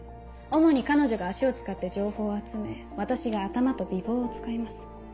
主に彼女が足を使って情報を集め私が頭と美貌を使います。